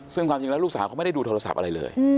ซึ่งความจริงแล้วลูกสาวเขาไม่ได้ดูโทรศัพท์อะไรเลย